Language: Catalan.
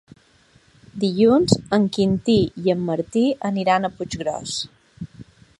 Dilluns en Quintí i en Martí aniran a Puiggròs.